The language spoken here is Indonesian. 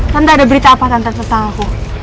tante ada berita apa tentang aku